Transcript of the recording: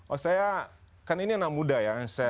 oh saya kan ini anak muda ya